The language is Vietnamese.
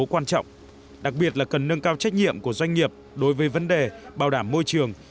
quan trọng đặc biệt là cần nâng cao trách nhiệm của doanh nghiệp đối với vấn đề bảo đảm môi trường